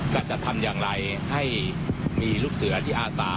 ก็จะทำอย่างไรให้มีลูกเสือที่อาสา